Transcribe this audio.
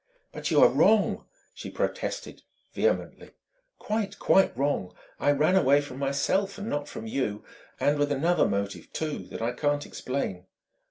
"But you are wrong!" she protested vehemently "quite, quite wrong! I ran away from myself not from you and with another motive, too, that I can't explain."